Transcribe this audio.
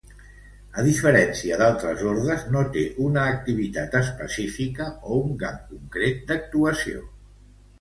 A diferència d'altres ordes, no té una activitat específica o un camp concret d'actuació.